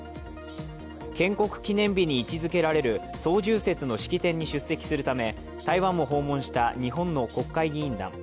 建国記念日に位置づけられる双十節の式典に出席するため台湾を訪問した日本の国会議員団。